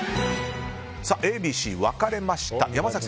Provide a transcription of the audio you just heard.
Ａ、Ｂ、Ｃ分かれました。